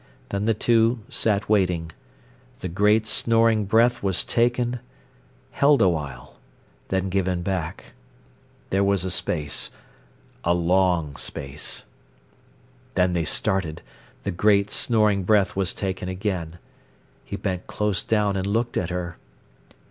Then the two sat waiting. The great, snoring breath was taken—held awhile—then given back. There was a space—a long space. Then they started. The great, snoring breath was taken again. He bent close down and looked at her.